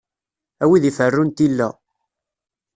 A wid iferrun tilla!